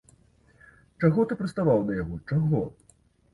Чаго ты прыстаў да яго, чаго?